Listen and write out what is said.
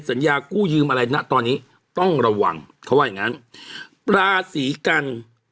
สัญญากู้ยืมอะไรนะตอนนี้ต้องระวังเขาว่าอย่างงั้นราศีกัน